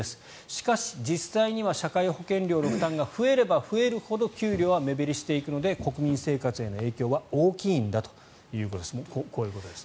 しかし、実際には社会保険料の負担が増えれば増えるほど、給料は目減りしていくので国民生活への影響は大きいんだということです。